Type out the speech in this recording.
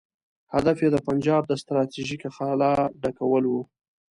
هدف یې د پنجاب د ستراتیژیکې خلا ډکول وو.